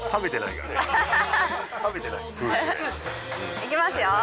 いきますよ